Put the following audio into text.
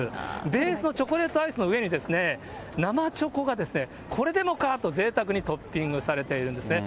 ベースのチョコレートアイスの上に、生チョコがこれでもかとぜいたくにトッピングされてるんですね。